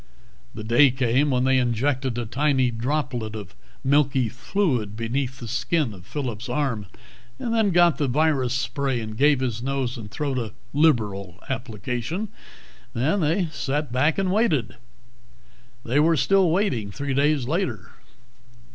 The day came when they injected a tiny droplet of milky fluid beneath the skin of Phillip's arm, and then got the virus spray and gave his nose and throat a liberal application. Then they sat back and waited. They were still waiting three days later.